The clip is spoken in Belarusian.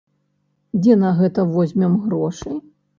Дзе на гэта возьмем грошы?